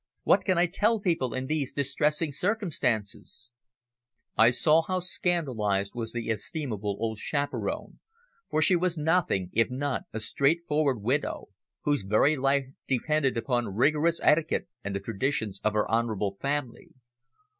What can I tell people in these distressing circumstances?" I saw how scandalised was the estimable old chaperone, for she was nothing if not a straightforward widow, whose very life depended upon rigorous etiquette and the traditions of her honourable family.